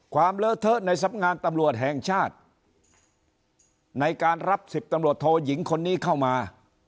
เลอะเทอะในสำงานตำรวจแห่งชาติในการรับ๑๐ตำรวจโทยิงคนนี้เข้ามา